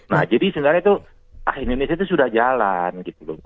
nah jadi sebenarnya itu ah indonesia itu sudah jalan gitu loh